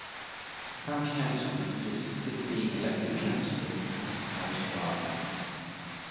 The parish council consists of fifteen elected councillors and has a parish clerk.